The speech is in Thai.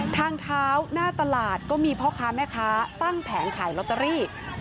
ทางเท้าหน้าตลาดก็มีพ่อค้าแม่ค้าตั้งแผงขายลอตเตอรี่